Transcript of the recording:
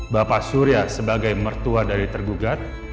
bapak surya sebagai mertua dari tergugat